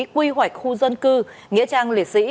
quy hoạch khu dân cư nghĩa trang liệt sĩ